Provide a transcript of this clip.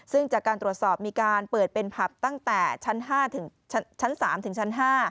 ซึ่งจากการตรวจสอบมีการเปิดเป็นผับตั้งแต่ชั้น๕ชั้น๓ถึงชั้น๕